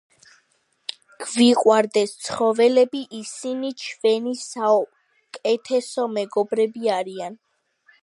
გვიყვარდეს ცხოველები, ისინი ჩვენი საულეთესო მეგობრები არიან